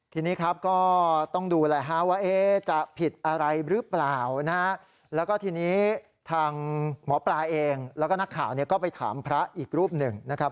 ทีนี้ครับก็ต้องดูแลว่าจะผิดอะไรหรือเปล่านะฮะแล้วก็ทีนี้ทางหมอปลาเองแล้วก็นักข่าวเนี่ยก็ไปถามพระอีกรูปหนึ่งนะครับ